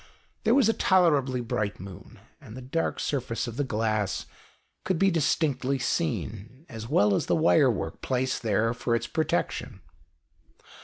There was a tolerably bright moon, and the dark surface of the glass could be distinctly seen, as well as the wirework placed there for its protection.